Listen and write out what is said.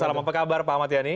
salam apa kabar pak ahmad yani